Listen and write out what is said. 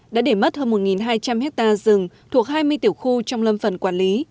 đã để mất hơn một hai trăm linh hectare rừng thuộc hai mươi tiểu khu trong lâm phần quản lý